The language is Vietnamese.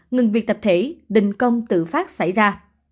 ngừng việc tập thể đình công tự phát xảy ra